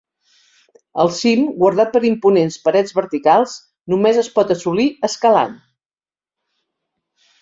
El cim, guardat per imponents parets verticals, només es pot assolir escalant.